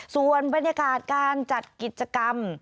ส่วนบรรยากาศการจัดกิจกรรม